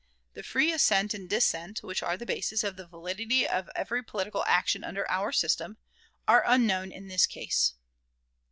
The free assent and dissent which are the basis of the validity of every political action under our system, are unknown in this case.